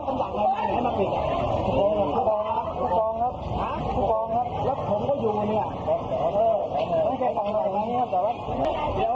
เดี๋ยวซักหน่า